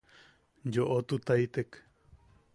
Yoʼotutaitek.